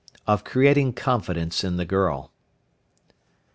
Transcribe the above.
OF CREATING CONFIDENCE IN THE GIRL.